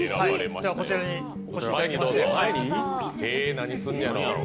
こちらにお越しいただきまして。